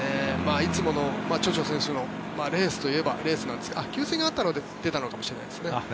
いつものチョチョ選手のレースといえばレースですが給水があったので出たのかもしれないですね。